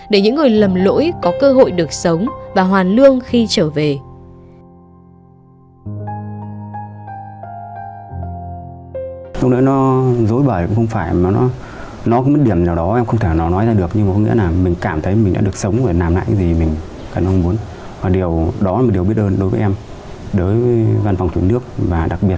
để những người lầm lỗi có cơ hội được sống và hoàn lương khi trở về